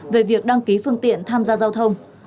về việc đăng ký phương tiện tham gia giao thông